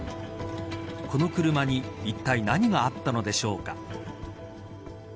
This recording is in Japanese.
この車に、いったい何があったのでしょうか。